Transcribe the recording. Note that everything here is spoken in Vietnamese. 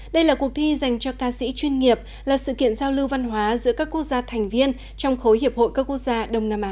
đây là cuộc thi dành cho ca sĩ chuyên nghiệp là sự kiện giao lưu văn hóa giữa các quốc gia thành viên trong khối hiệp hội các quốc gia đông nam á